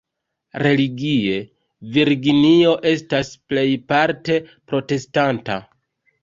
Religie, Virginio estas plejparte protestanta.